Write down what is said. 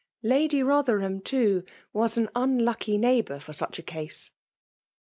Lady Botherham, too, was an unlucky neighbour for such a ease.